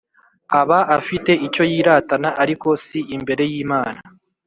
aba afite icyo yiratana, ariko si imbere y'Imana.